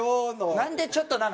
なんでちょっとなんか。